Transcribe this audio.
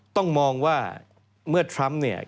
ต้องมองว่าเมื่อทรัมป์เนี่ย